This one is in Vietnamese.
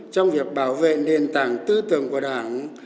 trong việc bảo vệ nền tảng tư tưởng của đảng